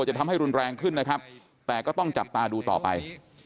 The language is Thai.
จะทำให้รุนแรงขึ้นนะครับแต่ก็ต้องจับตาดูต่อไป